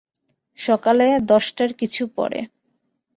সকালে দশটার কিছু পরে।